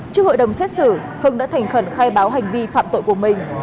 trước hội đồng xét xử hưng đã thành khẩn khai báo hành vi phạm tội của mình